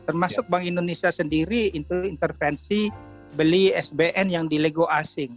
termasuk bank indonesia sendiri itu intervensi beli sbn yang di lego asing